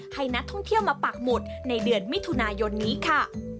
ให้นักท่องเที่ยวมาปักหมุดในเดือนมิถุนายนนี้ค่ะ